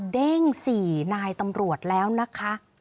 เด้ง๔นายตำรวจแล้วนะคะ